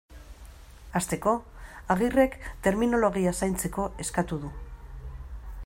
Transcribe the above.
Hasteko, Agirrek terminologia zaintzeko eskatu du.